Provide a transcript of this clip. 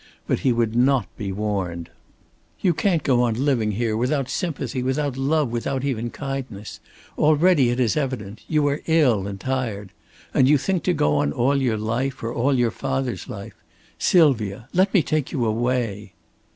But he would not be warned. "You can't go on, living here, without sympathy, without love, without even kindness. Already it is evident. You are ill, and tired. And you think to go on all your life or all your father's life. Sylvia, let me take you away!"